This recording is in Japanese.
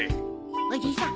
おじさん